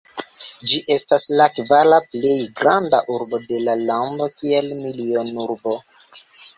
Ĝi estas la kvara plej granda urbo de la lando, kiel milionurbo.